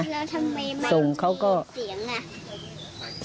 แล้วทำไมไม่มีเสียง